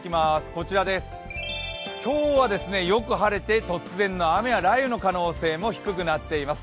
こちらです、今日はよく晴れて突然の雨や雷雨の可能性も低くなっています。